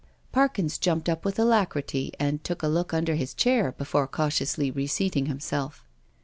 Parkins jumped up with alacrity and took a look under his chair before cautiously reseating himself.